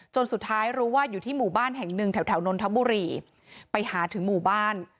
สุดท้ายรู้ว่าอยู่ที่หมู่บ้านแห่งหนึ่งแถวนนทบุรีไปหาถึงหมู่บ้าน